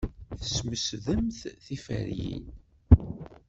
Tesmesdemt tiferyin.